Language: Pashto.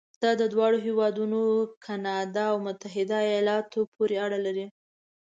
دا د دواړو هېوادونو کانادا او متحده ایالاتو پورې اړه لري.